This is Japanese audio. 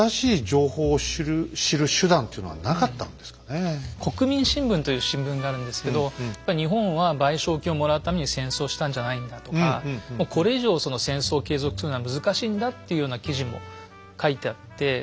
河合先生その「国民新聞」という新聞があるんですけど日本は賠償金をもらうために戦争したんじゃないんだとかもうこれ以上戦争を継続するのは難しいんだっていうような記事も書いてあって。